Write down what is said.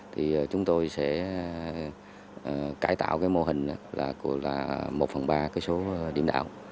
thì chúng tôi sẽ cải tạo cái mô hình là một phần ba cái số điểm đảo